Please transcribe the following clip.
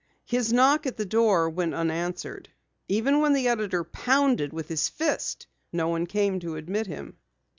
His knock at the door went unanswered. Even when the editor pounded with his fist, no one came to admit him.